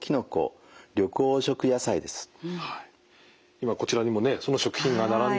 今こちらにもねその食品が並んでいます。